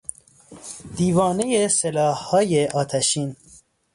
دیوانهی سلاحهای آتشین